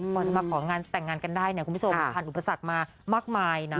กว่าจะมาของานแต่งงานกันได้เนี่ยคุณผู้ชมผ่านอุปสรรคมามากมายนะ